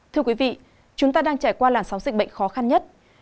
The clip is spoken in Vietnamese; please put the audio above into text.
thưa quý vị chúng ta đang trải qua là sáu dịch bệnh khó khăn nhất